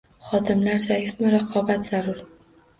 Xodimlar zaifmi? Raqobat zarur